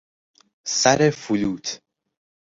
سر فلوت